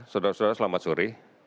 saudara saudara selamat sore